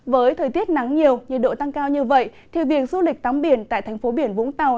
với thời tiết nắng nhiều nhiệt độ tăng cao như vậy thì việc du lịch tắm biển tại thành phố biển vũng tàu